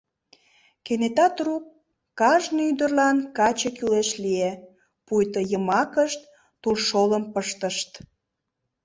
Кенета-трук кажне ӱдырлан каче кӱлеш лие, пуйто йымакышт тулшолым пыштышт.